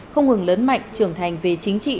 không ngừng lớn mạnh trưởng thành về chính trị